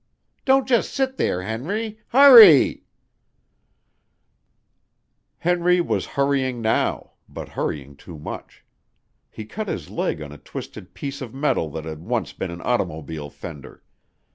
Don't just sit there, Henry, hurrreeee!" Henry was hurrying now, but hurrying too much. He cut his leg on a twisted piece of metal that had once been an automobile fender.